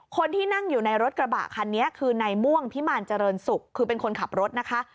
คนที่นั่งอยู่ในรถกระบะคันนี้คือในม่วงพิมารเจริญศุกร์คือเป็นคนขับรถนะคะ